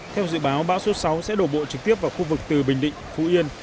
theo dự báo bão số sáu sẽ đổ bộ trực tiếp vào khu vực từ bình định phú yên